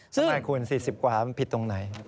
ทำไมคุณ๔๐กว่ามันผิดตรงไหน